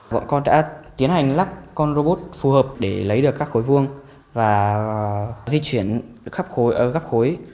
bọn con đã tiến hành lắp con robot phù hợp để lấy được các khối vuông và di chuyển khắp khối gấp khối